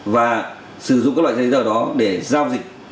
và sử dụng các loại giấy tờ đó để giao dịch